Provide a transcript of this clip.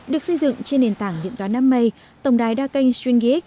được xây dựng trên nền tảng điện toán năm m tổng đài đa kênh stringyx